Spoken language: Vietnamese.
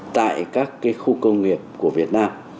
tại các khu công nghiệp của việt nam